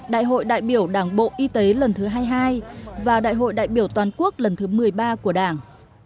đại hội đại biểu đảng bộ y tế lần thứ hai mươi hai và đại hội đại biểu toàn quốc lần thứ một mươi ba của đảng